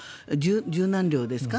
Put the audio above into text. １０何両ですか。